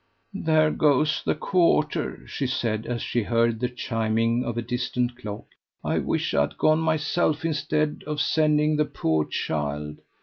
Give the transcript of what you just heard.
"There goes the quarter," she said, as she heard the chiming of a distant clock. "I wish I'd gone myself instead of sending the poor child.